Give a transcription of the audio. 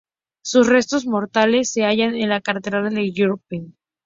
Sus restos mortales se hallan en la Catedral de Linköping.